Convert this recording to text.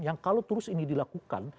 yang kalau terus ini dilakukan